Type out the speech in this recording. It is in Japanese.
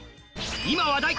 今話題！